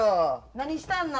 何したんな？